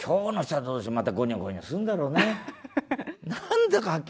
またごにょごにょするんだろうね。